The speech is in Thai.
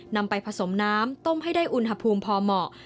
นำไปผสมน้ำต้มให้ได้อุณหภูมิพอเหมาะ